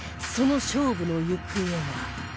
その勝負の行方は